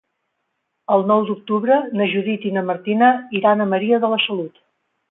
El nou d'octubre na Judit i na Martina iran a Maria de la Salut.